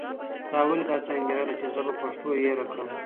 تا ولې داسې انګېرله چې زه به پښتو هېره کړم؟